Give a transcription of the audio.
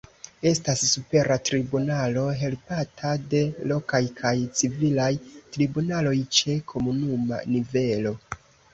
Estas Supera Tribunalo, helpata de lokaj kaj civilaj tribunaloj ĉe komunuma nivelo.